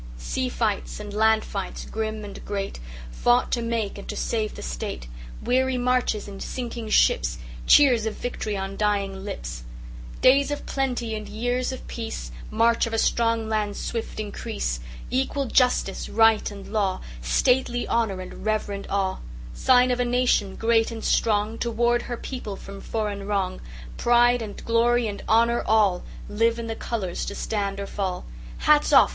Sea fights and land fights, grim and great, Fought to make and to save the State:Weary marches and sinking ships; Cheers of victory on dying lips; Days of plenty and years of peace; March of a strong land's swift increase; Equal justice, right and law, Stately honor and reverend awe; Sign of a nation, great and strongTo ward her people from foreign wrong:Pride and glory and honor,—allLive in the colors to stand or fall. Hats off!